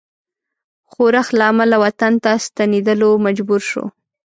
ښورښ له امله وطن ته ستنېدلو مجبور شو.